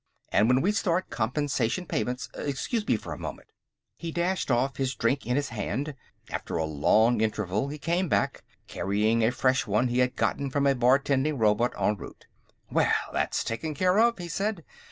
And when we start compensation payments.... Excuse me for a moment." He dashed off, his drink in his hand. After a long interval, he was back, carrying a fresh one he had gotten from a bartending robot en route. "Well, that's taken care of," he said.